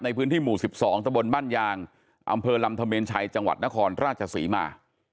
ในพื้นที่หมู่๑๒ตะบนบ้านยางอำเภอลำธเมนชัยจังหวัดนครราชศรีมา